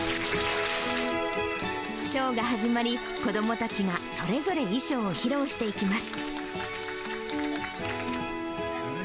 ショーが始まり、子どもたちがそれぞれ衣装を披露していきます。